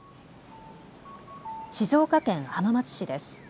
静岡県浜松市です。